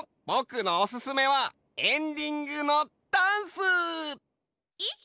ぼくのおすすめはエンディングのダンス！